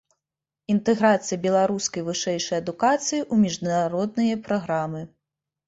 Інтэграцыя беларускай вышэйшай адукацыі ў міжнародныя праграмы.